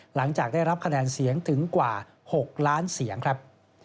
หลังจากได้รับคะแนนเสียงถึงกว่า๖ล้านเสียงครับ